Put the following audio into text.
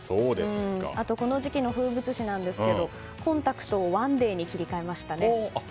あと、この時期の風物詩なんですがコンタクトをワンデーに切り替えましたね。